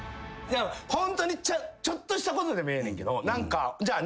ホントにちょっとしたことでもええねんけど。